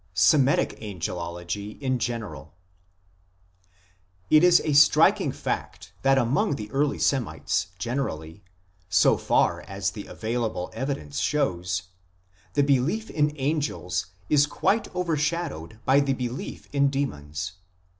SEMITIC ANGELOLOGY IN GENERAL IT is a striking fact that among the early Semites generally, so far as the available evidence shows, the belief in angels is quite overshadowed by the belief in demons.